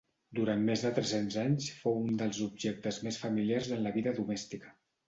Durant més de tres-cents anys fou un dels objectes més familiars en la vida domèstica.